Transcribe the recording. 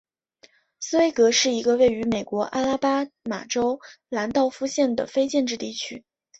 斯威格是一个位于美国阿拉巴马州兰道夫县的非建制地区。